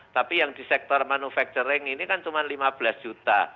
tapi yang di sektor manufacturing ini kan cuma lima belas juta